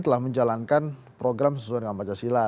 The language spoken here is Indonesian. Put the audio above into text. telah menjalankan program sesuai dengan pancasila